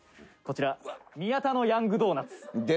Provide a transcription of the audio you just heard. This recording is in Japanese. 「こちらミヤタのヤングドーナツ。